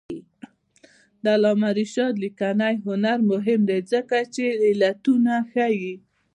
د علامه رشاد لیکنی هنر مهم دی ځکه چې علتونه ښيي.